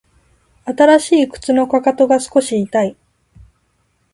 新しい靴のかかとが少し痛い